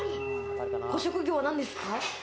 ご職業は何ですか？